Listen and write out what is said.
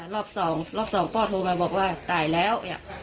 รอบสองรอบสองพ่อโทรมาบอกว่าตายแล้ว